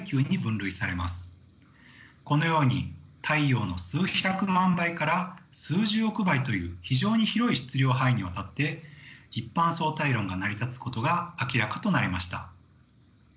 このように太陽の数百万倍から数十億倍という非常に広い質量範囲にわたって一般相対論が成り立つことが明らかとなりました。